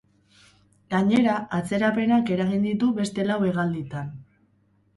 Gainera, atzerapenak eragin ditu beste lau hegalditan.